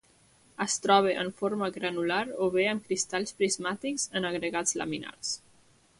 Es troba en forma granular, o bé amb cristalls prismàtics, en agregats laminars.